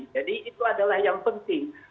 jadi itu adalah yang penting